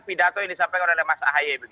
pidato yang disampaikan oleh mas ahy